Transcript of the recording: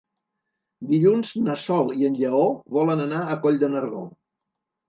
Dilluns na Sol i en Lleó volen anar a Coll de Nargó.